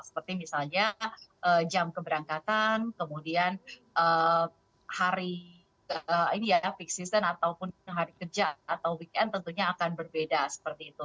seperti misalnya jam keberangkatan kemudian hari ini ya peak season ataupun hari kerja atau weekend tentunya akan berbeda seperti itu